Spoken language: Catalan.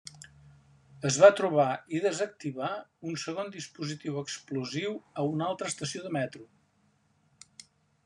Es va trobar i desactivar un segon dispositiu explosiu a una altra estació de metro.